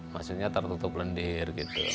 maksudnya tertutup lendir